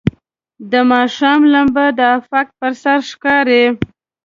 د ماښام لمبه د افق پر سر ښکاري.